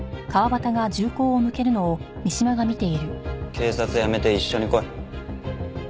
警察辞めて一緒に来い。